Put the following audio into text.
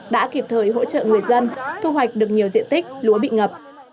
đã kịp thời hỗ trợ người dân thu hoạch được nhiều diện tích lúa bị ngập